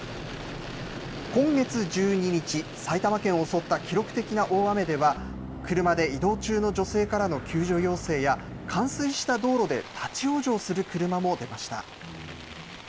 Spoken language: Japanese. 今月１２日、埼玉県を襲った記録的な大雨では、車で移動中の女性からの救助要請や、冠水した道路で立往生する車も出ました。